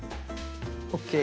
ＯＫ！